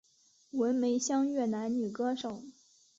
文梅香越南女歌手。